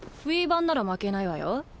版なら負けないわよ。